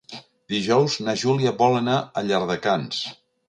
Dijous na Júlia vol anar a Llardecans.